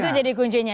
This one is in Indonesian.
itu jadi kuncinya